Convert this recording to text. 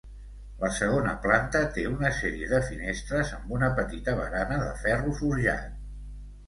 La segona planta té una sèrie de finestres amb una petita barana de ferro forjat.